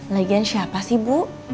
lagian siapa sih bu